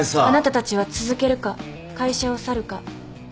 あなたたちは続けるか会社を去るか。